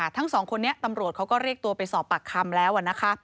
ทั้งสองคนนี้ตำรวจเขาก็เรียกตัวไปสอบปากคำแล้วนะคะ